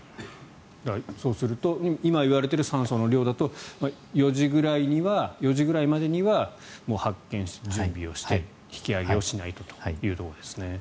そうすると今言われている酸素の量だと４時ぐらいまでには発見して、準備をして引き揚げしないとということですね。